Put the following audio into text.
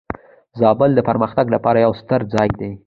زابل د پرمختګ لپاره یو ستر ځای دی.